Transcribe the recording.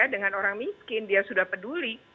dengan orang miskin dia sudah peduli